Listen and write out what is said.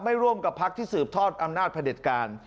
ไม่ร่วมกับภักดิ์ที่สืบทอดอำนาจผลิตการ